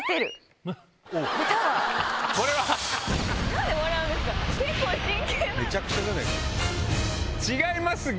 何で笑うんですか！